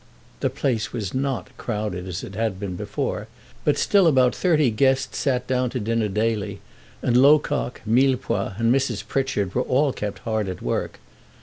The place was not crowded as it had been before; but still about thirty guests sat down to dinner daily, and Locock, Millepois, and Mrs. Pritchard were all kept hard at work.